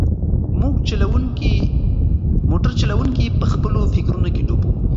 موټر چلونکی په خپلو فکرونو کې ډوب و.